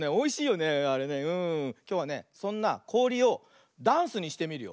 きょうはねそんなこおりをダンスにしてみるよ。